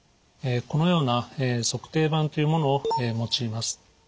このような足底板というものを用います。